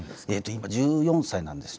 今１４歳なんですね。